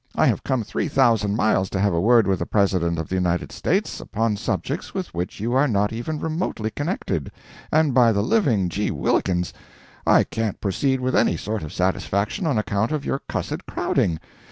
I have come three thousand miles to have a word with the President of the United States upon subjects with which you are not even remotely connected, and by the living geewhillikins I can't proceed with any sort of satisfaction on account of your cussed crowding.